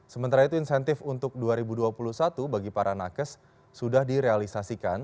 sementara itu insentif untuk dua ribu dua puluh satu bagi para nakes sudah direalisasikan